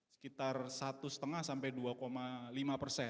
sekitar satu lima sampai dua lima persen